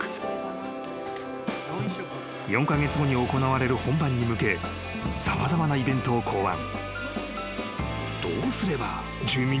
［４カ月後に行われる本番に向け様々なイベントを考案］